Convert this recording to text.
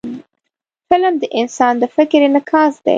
فلم د انسان د فکر انعکاس دی